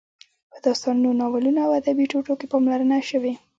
په داستانونو، ناولونو او ادبي ټوټو کې پاملرنه شوې.